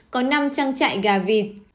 có năm trang trại gà vịt